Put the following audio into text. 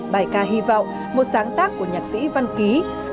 bài ca hy vọng một sáng tác của nhạc sĩ văn ký